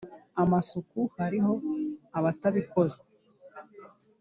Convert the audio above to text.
amasuka Hariho abatabikozwa